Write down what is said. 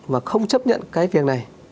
và không chấp nhận cái việc này